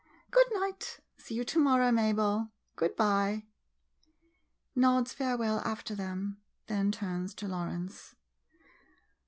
Good night — see you to morrow, Mabel. Good by. [Nods farewell after them, then turns to Lawrence.